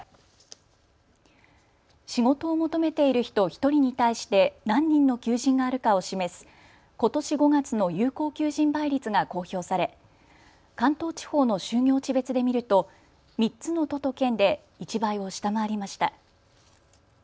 仕事を求めている人１人に対して何人の求人があるかを示すことし５月の有効求人倍率が公表され関東地方の就業地別で見ると３つの都と県で１倍を下回りました。